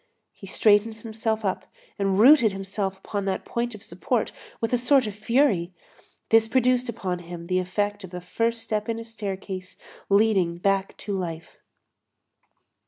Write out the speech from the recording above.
He straightened himself up, and rooted himself upon that point of support with a sort of fury. This produced upon him the effect of the first step in a staircase leading back to life.